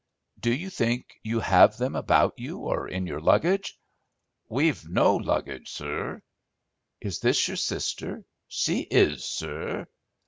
"Do you think you have them about you or in your luggage?" "We've no luggage, sur." "Is this your sister?" "She is, sur."